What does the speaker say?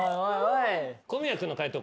小宮君の解答